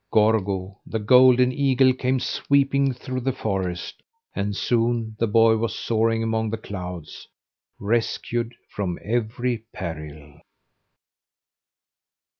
Gorgo, the golden eagle, came sweeping through the forest, and soon the boy was soaring among the clouds rescued from every peril.